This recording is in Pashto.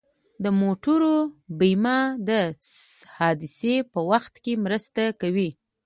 د موټرو بیمه د حادثې په وخت مرسته کوي.